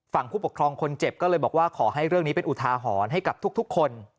ผู้ปกครองคนเจ็บก็เลยบอกว่าขอให้เรื่องนี้เป็นอุทาหรณ์ให้กับทุกคน